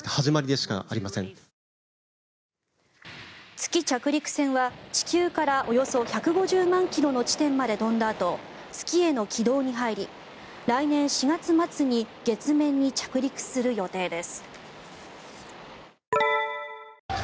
月着陸船は、地球からおよそ１５０万キロの地点まで飛んだあと月への軌道に入り、来年４月末に月面に着陸する予定です。